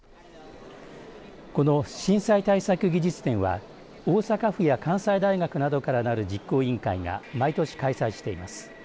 この震災対策技術展は大阪府や関西大学などからなる実行委員会が毎年開催しています。